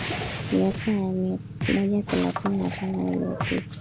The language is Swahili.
Miaka ya mia moja thelathini na tano tu iliyopita